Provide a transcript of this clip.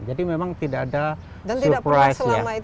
jadi memang tidak ada surprise ya